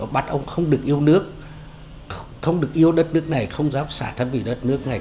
bắt ông không được yêu nước không được yêu đất nước này không dám xả thân vì đất nước này